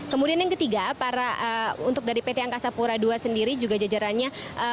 kemudian yang ketiga para untuk dari pt angkasa pura ii sendiri juga jajarannya